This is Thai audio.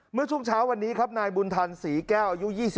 เมื่อช่วงเช้าวันนี้ครับนายบุญธันศรีแก้วอายุ๒๓